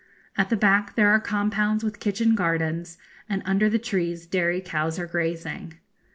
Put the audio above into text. At the back there are compounds with kitchen gardens, and under the trees dairy cows are grazing.